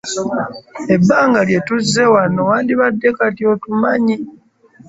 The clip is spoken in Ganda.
Ebbanga lye tuzze wano wandibadde kati otumanyi.